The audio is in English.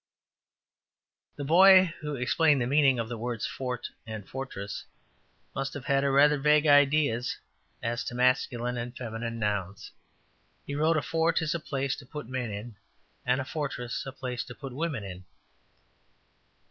'' The boy who explained the meaning of the words fort and fortress must have had rather vague ideas as to masculine and feminine nouns. He wrote: ``A fort is a place to put men in, and a fortress a place to put women in.''